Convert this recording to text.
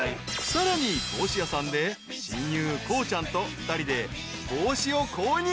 ［さらに帽子屋さんで親友こうちゃんと２人で帽子を購入］